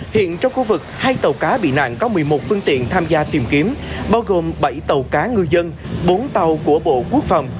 hiện trong khu vực hai tàu cá bị nạn có một mươi một phương tiện tham gia tìm kiếm bao gồm bảy tàu cá ngư dân bốn tàu của bộ quốc phòng